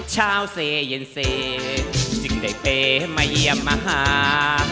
เซเย็นเซจึงได้เปย์มาเยี่ยมมาหา